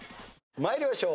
参りましょう。